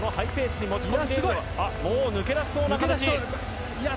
もう抜け出しそうな感じです。